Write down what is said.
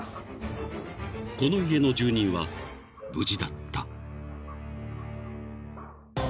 ［この家の住人は無事だった］